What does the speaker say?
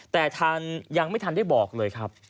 แต่ทางยังไม่ทันได้บอกเลยครับ